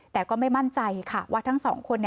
แต่ก็ไม่มั่นใจค่ะว่าทั้งสองคน